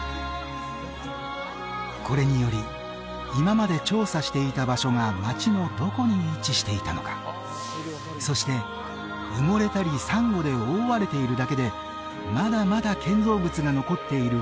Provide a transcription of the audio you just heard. これにより今まで調査していた場所が街のどこに位置していたのかそして埋もれたりサンゴで覆われているだけでまだまだ建造物が残っている可能性が示された